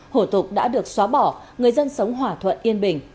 hủ tục đã được xóa bỏ người dân sống hỏa thuận yên bình